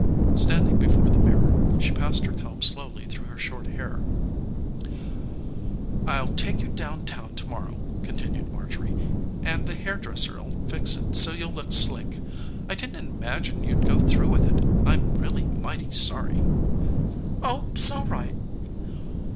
Standing before the mirror she passed her comb slowly through her short hair. "I'll take you down town to morrow," continued Marjorie, "and the hairdresser'll fix it so you'll look slick. I didn't imagine you'd go through with it. I'm really mighty sorry." "Oh, 'sall right!"